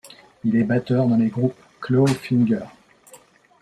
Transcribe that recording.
Il est batteur dans les groupes Clawfinger.